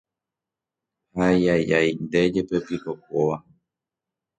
Haijajái ndéjepepiko kóva